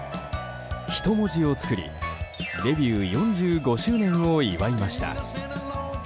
人文字を作りデビュー４５周年を祝いました。